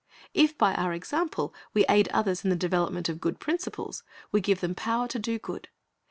If by our example we aid others in the development of good principles, we give them power to do good.